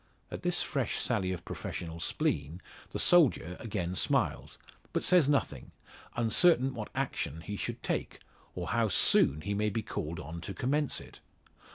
At this fresh sally of professional spleen the soldier again smiles, but says nothing, uncertain what action he should take, or how soon he may be called on to commence it.